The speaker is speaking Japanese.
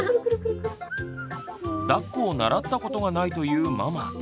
だっこを習ったことがないというママ。